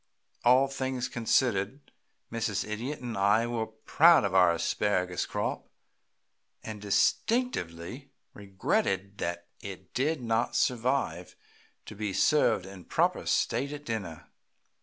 All things considered, Mrs. Idiot and I were proud of our asparagus crop, and distinctly regretted that it did not survive to be served in proper state at dinner.